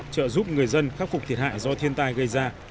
trợ giúp người dân khắc phục thiệt hại do thiên tai gây ra